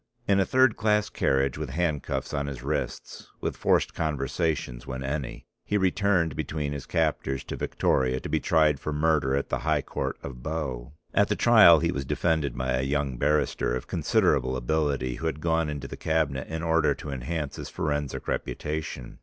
In a third class carriage with handcuffs on his wrists, with forced conversation when any, he returned between his captors to Victoria to be tried for murder at the High Court of Bow. At the trial he was defended by a young barrister of considerable ability who had gone into the Cabinet in order to enhance his forensic reputation.